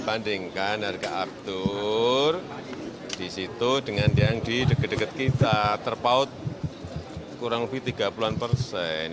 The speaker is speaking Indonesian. bandingkan harga aftur disitu dengan yang di dekat dekat kita terpaut kurang lebih tiga puluh an persen